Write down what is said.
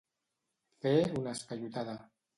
Fer una esquellotada.